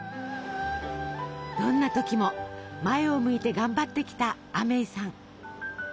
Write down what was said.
どんな時も前を向いて頑張ってきたアメイさん。